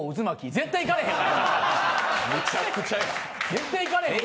絶対行かれへん。